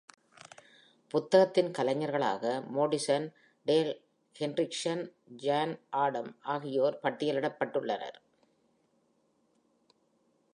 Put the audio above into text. புத்தகத்தின் கலைஞர்களாக Morrison, Dale Hendrickson, John Adam ஆகியோர் பட்டியலிடப்பட்டுள்ளனர்.